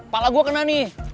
pala gue kena nih